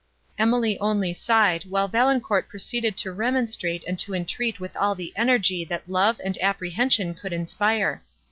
Emily only sighed, while Valancourt proceeded to remonstrate and to entreat with all the energy that love and apprehension could inspire.